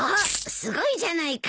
すごいじゃないか。